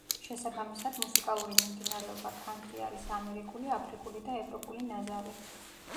შესაბამისად, მუსიკალური მიმდინარეობა ქანთრი არის ამერიკული, აფრიკული და ევროპული ნაზავი.